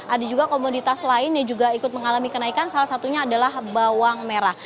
ada juga komoditas lain yang juga ikut mengalami kenaikan salah satunya adalah bawang merah